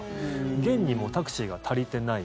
現にもうタクシーが足りてない。